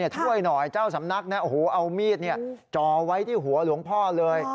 ช่วยหน่อยเจ้าสำนักเอามีดจ่อไว้ที่หัวหลวงพ่อเลย